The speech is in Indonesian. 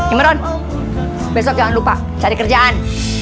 imron besok jangan lupa cari kerjaan